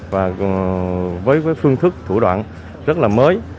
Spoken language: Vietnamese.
và với phương thức thủ đoạn rất là mới